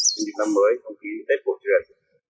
trong những năm mới không khí tết bổ truyền